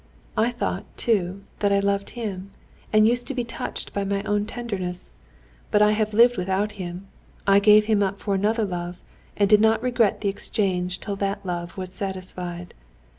"I thought, too, that I loved him, and used to be touched by my own tenderness. But I have lived without him, I gave him up for another love, and did not regret the exchange till that love was satisfied."